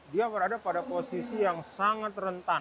dia berada pada posisi yang sangat rentan